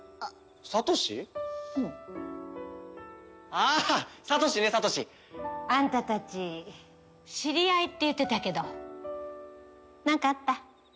ああっサトシねサトシ！あんたたち知り合いって言ってたけどなんかあった？